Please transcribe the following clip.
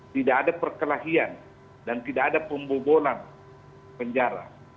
tidak ada perkelahian dan tidak ada pembobolan penjara